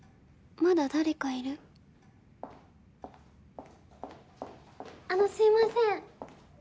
まだ誰かいるあのすいません